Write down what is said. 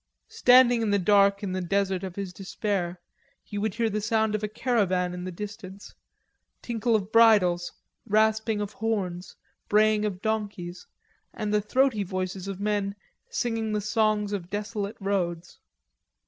Standing in the dark in the desert of his despair, he would hear the sound of a caravan in the distance, tinkle of bridles, rasping of horns, braying of donkeys, and the throaty voices of men singing the songs of desolate roads.